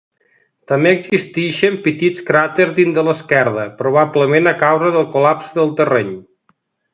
També existeixen petits cràters dins de l'esquerda, probablement a causa del col·lapse del terreny.